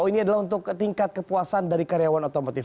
ini adalah untuk tingkat kepuasan dari karyawan otomotif